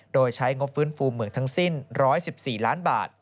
โดยใช้งบฟื้นฟูเมืองทั้งสิ้น๑๑๔ล้านบาท